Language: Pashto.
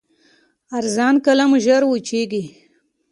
ارزان قلم ژر وچېږي.